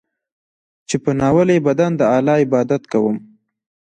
چې په ناولي بدن د الله عبادت کوم.